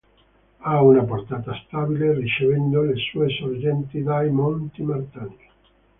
Ha una portata stabile ricevendo le sue sorgenti dai Monti Martani.